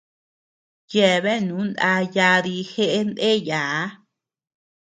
Yebeanu naa yaadi jeʼe ndeyaa.